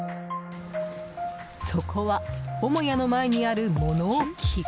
そこは母屋の前にある物置。